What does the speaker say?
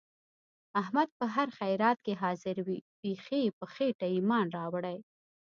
احمد په هر خیرات کې حاضر وي. بیخي یې په خېټه ایمان راوړی.